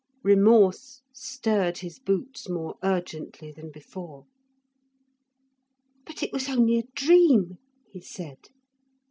Remorse stirred his boots more ungently than before. 'But it was only a dream,' he said.